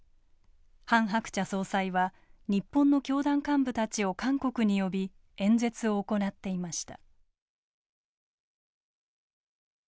ハン・ハクチャ総裁は日本の教団幹部たちを韓国に呼び演説を行っていました。